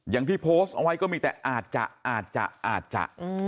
อย่างที่โพสต์เอาไว้ก็มีแต่อาจจะอาจจะ